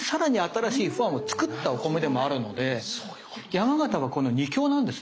山形はこの２強なんですね。